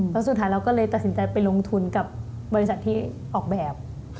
แล้วสุดท้ายเราก็เลยตัดสินใจไปลงทุนกับบริษัทที่ออกแบบ